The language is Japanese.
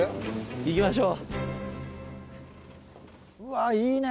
行きましょう。